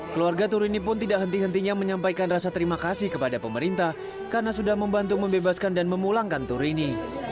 keluarga turini pun tidak henti hentinya menyampaikan rasa terima kasih kepada pemerintah karena sudah membantu membebaskan dan memulangkan turini